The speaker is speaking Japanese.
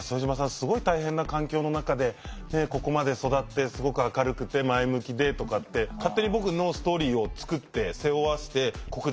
すごい大変な環境の中でここまで育ってすごく明るくて前向きで」とかって勝手に僕のストーリーを作って背負わして黒人代表で。